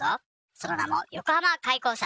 その名も横浜開港祭！